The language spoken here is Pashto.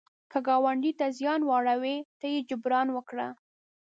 که ګاونډي ته زیان واړوي، ته یې جبران وکړه